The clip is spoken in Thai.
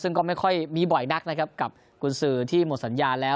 ซึ่งก็ไม่ค่อยมีบ่อยนักนะครับกับกุญสือที่หมดสัญญาแล้ว